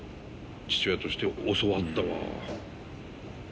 父親として教わったわ。